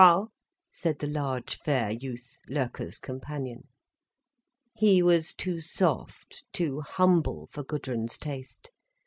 _" said the large, fair youth, Loerke's companion. He was too soft, too humble for Gudrun's taste.